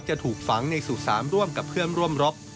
จะถูกฝังในสู่๓ร่วมกับเพื่อนร่วมรบ